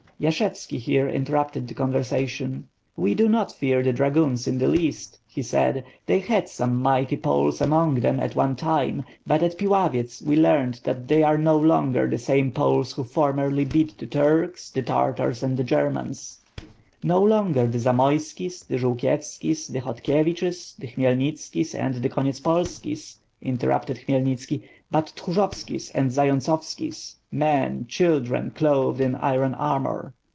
Yashevski here interrupted the conversation. "We do not fear the dragoons in the least," he said. "They had some mighty Poles among them at one time, but at Pil avyets we learned that they are no longer the same Poles who formerly beat the Turks, the Tartars, and the Germans "No longer the Zamoyskis, the Zolkievskis, the Khodkie viches, the Khmyeletskis, and the Konyetspolkis," inter rupted Khmyelnitski, "but Tkhorzovski and Zayontskovski,^ men, children clothed in iron armor.